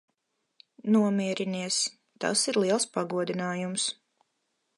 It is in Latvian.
Nomierinies. Tas ir liels pagodinājums.